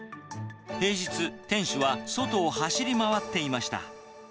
平日、店主は外を走り回っていました。